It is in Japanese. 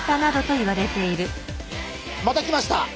また来ました。